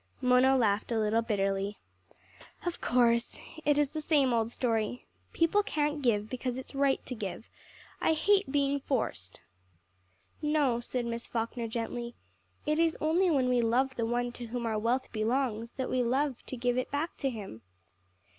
Mona laughed a little bitterly. "Of course. It is the same old story. People can't give because it's right to give. I hate being forced." "No," said Miss Falkner gently. "It is only when we love the One to whom our wealth belongs that we love to give it back to Him."